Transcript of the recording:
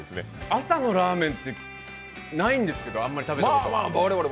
朝のラーメンってないんですけど、あまり食べたことは。